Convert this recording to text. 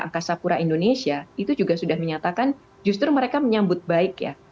angkasa pura indonesia itu juga sudah menyatakan justru mereka menyambut baik ya